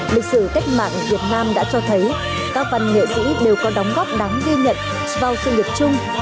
lịch sử cách mạng việt nam đã cho thấy các văn nghệ sĩ đều có đóng góp đáng ghi nhận vào sự nghiệp chung